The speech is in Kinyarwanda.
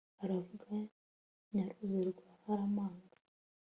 aravuga nyaruzi rwa haramanga